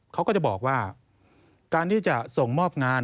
เขาก็จะบอกว่าการที่จะส่งมอบงาน